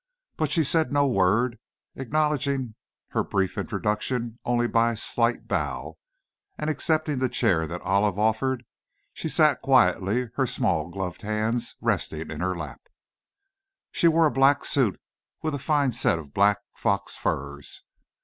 But she said no word, acknowledging her brief introduction only by a slight bow, and accepting the chair that Olive offered, she sat quietly, her small gloved hands resting in her lap. She wore a black suit with a fine set of black fox furs.